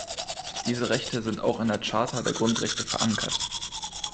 Diese Rechte sind auch in der Charta der Grundrechte verankert.